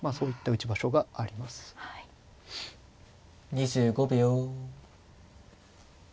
２５秒。